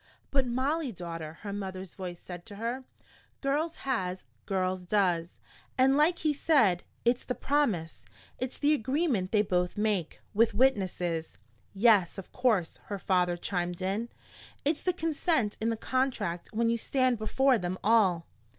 "But Molly, daughter," her mother's voice said to her, "girls has girls does. And like he said, it's the promise, it's the agreement they both make, with witnesses." "Yes, of course," her father chimed in. "It's the consent in the contract when you stand before them all."